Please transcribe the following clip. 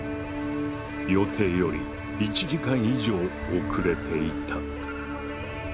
予定より１時間以上遅れていた。